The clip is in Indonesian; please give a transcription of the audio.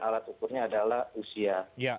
alat ukurnya adalah usia